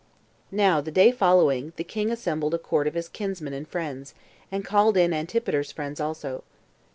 1. Now the day following the king assembled a court of his kinsmen and friends, and called in Antipater's friends also.